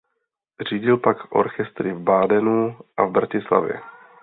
Řídil pak orchestry v Badenu a v Bratislavě.